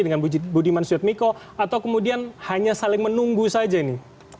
dengan budiman sudmiko atau kemudian hanya saling menunggu saja ini